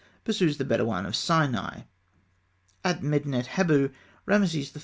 pursues the Bedawîn of Sinai. At Medinet Habû Rameses III.